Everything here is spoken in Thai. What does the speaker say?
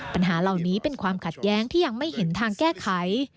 ปัญหาเหล่านี้เป็นความขัดแย้งที่ยังไม่เห็นทางแก้ไข